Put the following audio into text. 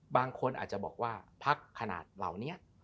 บางคนอาจจะบอกว่าพักขนาดเหล่านี้